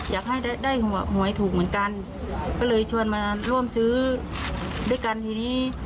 อยากให้ได้หวยถูกเหมือนกันก็เลยชวนมาร่วมซื้อด้วยกันทีนี้